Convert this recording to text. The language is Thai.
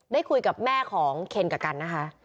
ได้คุยกับแม่ของเคนกับกันนะคะ